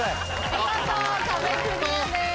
見事壁クリアです。